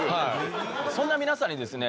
そんな皆さんにですね